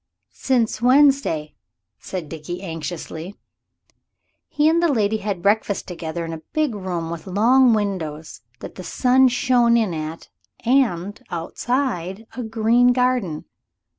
"Since Wednesday," said Dickie anxiously. He and the lady had breakfast together in a big room with long windows that the sun shone in at, and, outside, a green garden.